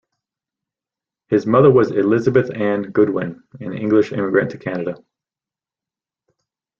His mother was Elizabeth Ann Goodwin, an English immigrant to Canada.